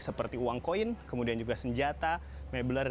seperti uang koin kemudian juga senjata mebler